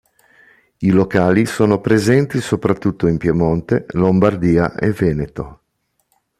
I locali sono presenti soprattutto in Piemonte, Lombardia e Veneto.